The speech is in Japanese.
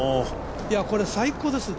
これ、最高です！